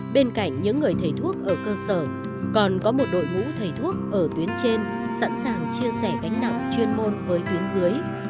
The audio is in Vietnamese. bên cạnh những người thầy thuốc ở cơ sở còn có một đội ngũ thầy thuốc ở tuyến trên sẵn sàng chia sẻ gánh nặng chuyên môn với tuyến dưới